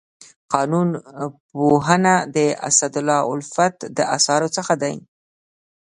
قانون پوهنه د اسدالله الفت د اثارو څخه دی.